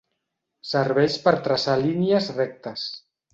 Serveix per traçar línies rectes.